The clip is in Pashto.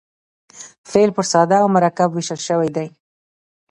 فعل پر ساده او مرکب وېشل سوی دئ.